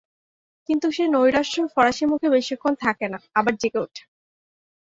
কিন্তু সে নৈরাশ্য ফরাসী মুখে বেশীক্ষণ থাকে না, আবার জেগে ওঠে।